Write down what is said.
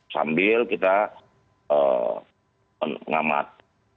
sambil kita mengamat